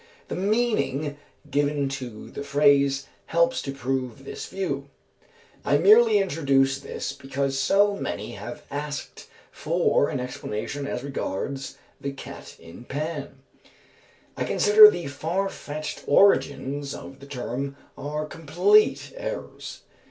The meaning given to the phrase helps to prove this view. I merely introduce this because so many have asked for an explanation as regards "the cat in pan." I consider the "far fetched" origins of the term are complete errors.